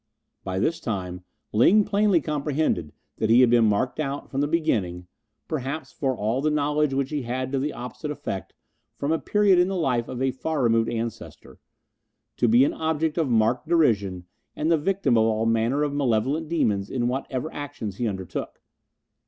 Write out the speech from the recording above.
By this time Ling plainly comprehended that he had been marked out from the beginning perhaps for all the knowledge which he had to the opposite effect, from a period in the life of a far removed ancestor to be an object of marked derision and the victim of all manner of malevolent demons in whatever actions he undertook.